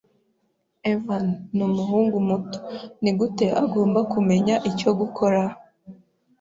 Evan numuhungu muto. Nigute agomba kumenya icyo gukora?